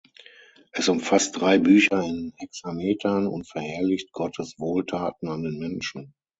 Es umfasst drei Bücher in Hexametern und verherrlicht Gottes Wohltaten an den Menschen.